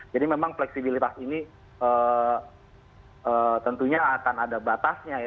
jadi memang fleksibilitas ini tentunya akan ada batasnya ya